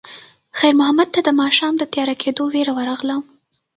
خیر محمد ته د ماښام د تیاره کېدو وېره ورغله.